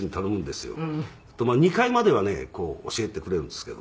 「すると２回まではね教えてくれるんですけど」